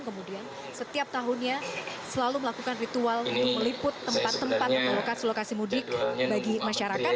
kemudian setiap tahunnya selalu melakukan ritual untuk meliput tempat tempat melokasi mudik bagi masyarakat